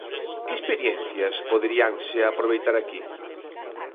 Que experiencias poderíanse aproveitar aquí?